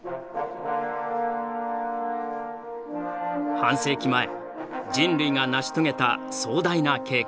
半世紀前人類が成し遂げた壮大な計画。